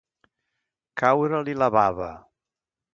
Caure-li la bava.